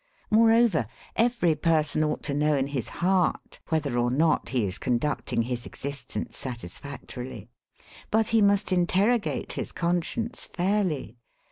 Moreover, every per son ought to know in his heart whether or not he is conducting hJs existence satisfactorily. But he must interrogate his conscience fairly.